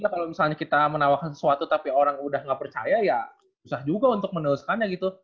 jadi kalo misalnya kita menawarkan sesuatu tapi orang udah gak percaya ya susah juga untuk menuliskannya gitu